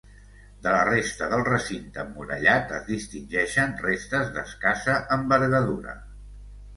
De la resta del recinte emmurallat es distingeixen restes d'escassa envergadura.